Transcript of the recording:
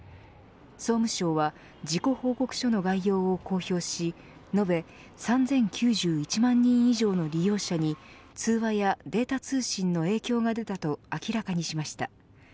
総務省は事故報告書の概要を公表し延べ３０９１万人以上の利用者に通話やデータ通信の影響が出たと明らかにしました。